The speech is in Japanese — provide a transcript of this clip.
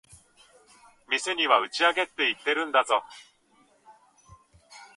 店には打ち上げって言ってるんだぞ。